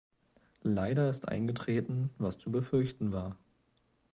Leider ist eingetreten, was zu befürchten war.